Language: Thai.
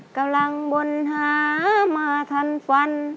ก๋ารังบ่นหามาทันฝน